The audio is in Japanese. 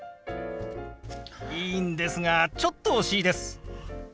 いいんですがちょっと惜しいです。